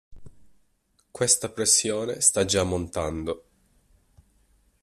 Questa pressione sta già montando.